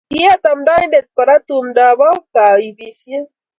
Kiet amdoinde korat tumdoe bo kaibisie